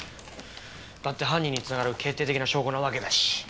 だって犯人に繋がる決定的な証拠なわけだし。